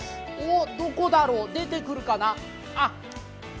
どこだろう、出てくるかな？